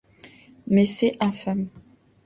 Mais c’est infâme !